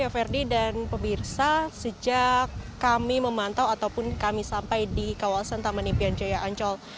verdi dan pemirsa sejak kami memantau ataupun kami sampai di kawasan taman impian jaya ancol